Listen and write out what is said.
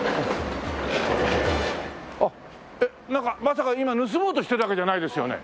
あっえっなんかまさか今盗もうとしてたわけじゃないですよね？